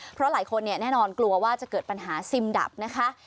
เพราะหลายคนเนี่ยแน่นอนกลัวว่าจะเกิดปัญหาซิมดับนะคะ